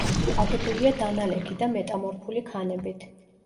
აგებულია დანალექი და მეტამორფული ქანებით.